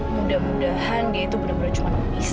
mudah mudahan dia itu benar benar cuma habis